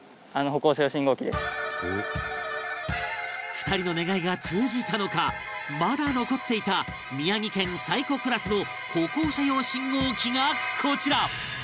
２人の願いが通じたのかまだ残っていた宮城県最古クラスの歩行者用信号機がこちら